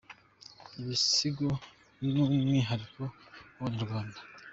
ibisigo numwihariko wabanyarwanda.